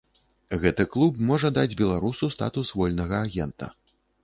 Гэты клуб можа даць беларусу статус вольнага агента.